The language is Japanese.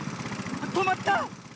とまった！